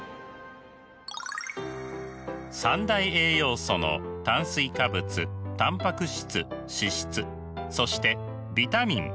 三大栄養素の炭水化物タンパク質脂質そしてビタミンミネラル。